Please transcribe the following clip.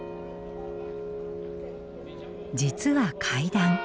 実は階段。